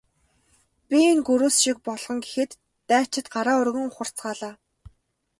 Би энэ гөрөөс шиг болгоно гэхэд дайчид гараа өргөн ухарцгаалаа.